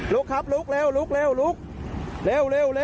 ลุกครับลุกเร็วลุกลุก